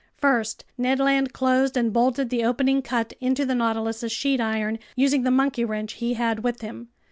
First, Ned Land closed and bolted the opening cut into the Nautilus's sheet iron, using the monkey wrench he had with him.